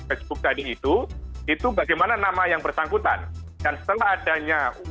facebook tadi itu itu bagaimana nama yang bersangkutan dan setelah adanya